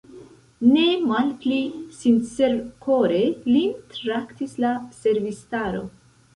Ne malpli sincerkore lin traktis la servistaro.